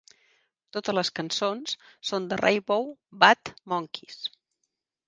Totes les cançons són de Rainbow Butt Monkeys.